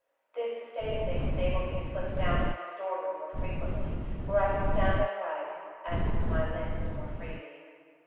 This state of things enabled me to slip down into the storeroom more frequently, where I could stand upright, and move my limbs more freely.